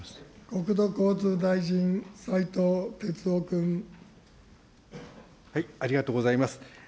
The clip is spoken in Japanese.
国土交通大臣、ありがとうございます。